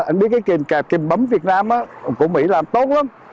anh biết cái kèm cạp kèm bấm việt nam của mỹ làm tốt lắm